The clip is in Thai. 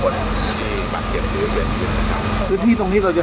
เพราะว่าเมืองนี้จะเป็นที่สุดท้าย